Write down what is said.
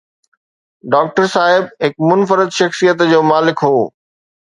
Doctor صاحب هڪ منفرد شخصيت جو مالڪ هو.